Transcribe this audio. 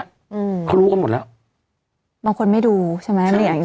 อืมเขารู้กันหมดแล้วบางคนไม่ดูใช่ไหมไม่อยาก